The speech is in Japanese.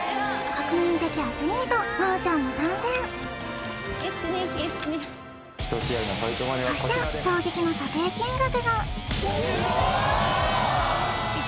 国民的アスリート真央ちゃんも参戦１２１２そして衝撃の査定金額がえーっ！